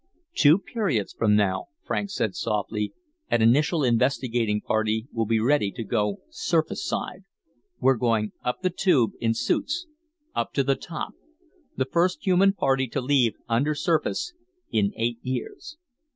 "Two periods from now," Franks said softly, "an initial investigating party will be ready to go surface side. We're going up the Tube in suits, up to the top the first human party to leave undersurface in eight years."